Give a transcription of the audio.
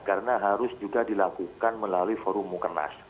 karena harus juga dilakukan melalui forum mukernas